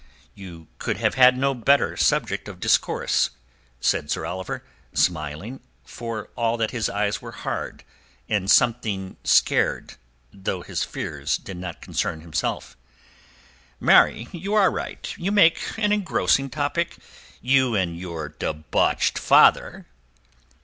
"You could have had no better subject of discourse," said Sir Oliver, smiling, for all that his eyes were hard and something scared—though his fears did not concern himself. "Marry, you are right; you make an engrossing topic—you and your debauched father."